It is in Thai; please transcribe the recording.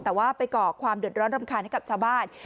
แต่ว่าไปก่อความเดือดร้อนรำคาญให้กับชาวบ้าน